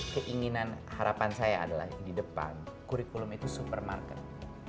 keinginan harapan saya adalah di depan kurikulum itu supermarket